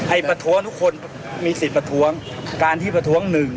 ประท้วงทุกคนมีสิทธิ์ประท้วงการที่ประท้วงหนึ่ง